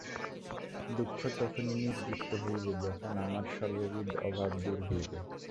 দুঃখ তখনই নিবৃত্ত হইবে, যখন আমার সর্ববিধ অভাব দূর হইবে।